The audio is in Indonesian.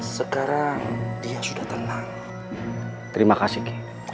sekarang dia sudah tenang terima kasih